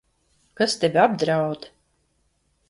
Kas tevi apdraud?